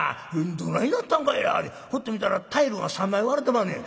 どないなったんかいなってふっと見たらタイルが３枚割れてまんねん」。